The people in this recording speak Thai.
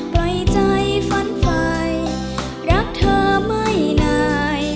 ปล่อยใจฟันไฟรักเธอไม่นาย